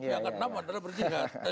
yang enam adalah berjihad